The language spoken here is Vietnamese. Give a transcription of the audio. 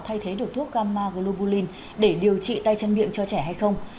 thay thế được thuốc gamma globalin để điều trị tay chân miệng cho trẻ hay không